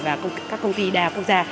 và các công ty đa quốc gia